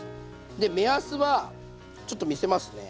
で目安はちょっと見せますね。